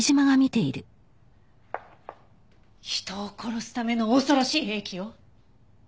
人を殺すための恐ろしい兵器よ！